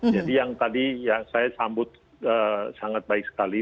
jadi yang tadi saya sambut sangat baik sekali